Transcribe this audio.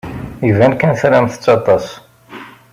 Iban kan tramt-tt aṭas.